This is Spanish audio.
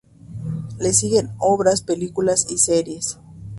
Le siguen obras, películas y series.